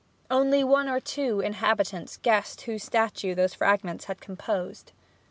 Only one or two old inhabitants guessed whose statue those fragments had composed.